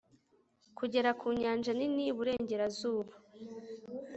kugera ku nyanja nini iburengerazuba